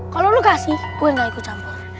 kalau lo kasih gue gak ikut campur